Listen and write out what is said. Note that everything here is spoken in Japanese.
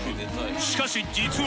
しかし実は